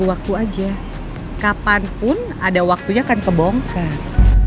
waktunya kan kebongkar